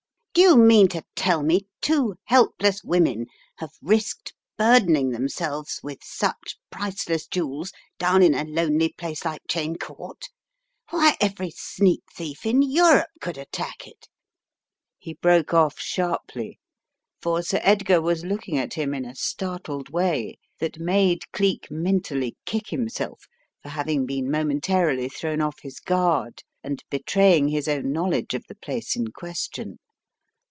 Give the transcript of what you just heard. "Do you mean to tell me two helpless women have risked burdening themselves with such priceless jewels down in a lonely place like Cheyne Court? Why, every sneak thief in Europe could attack it " He broke off sharply, for Sir Edgar was looking at him in a startled way that made Cleek mentally kick himself for hav ing been momentarily thrown off his guard and be traying his own knowledge of the place in question.